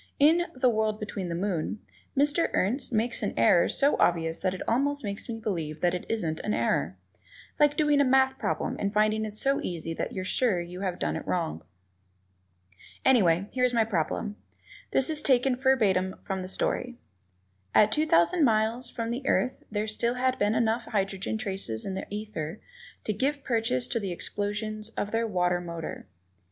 In "The World Behind the Moon," Mr. Ernst makes an error so obvious that it almost makes me believe that it isn't an error. Like doing a math problem and finding it so easy that you're sure that you have it wrong. Anyway, here is my problem; this is taken verbatim from the story: "At two thousand miles from the Earth there had still been enough hydrogen traces in the ether to give purchase to the explosions of their water motor."